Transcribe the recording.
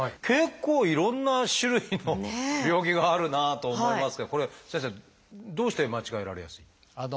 結構いろんな種類の病気があるなと思いますけどこれは先生どうして間違えられやすい？